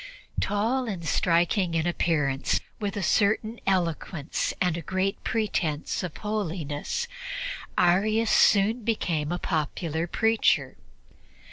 Tall and striking in appearance, with a certain eloquence and a great pretense of holiness, Arius soon became a popular preacher.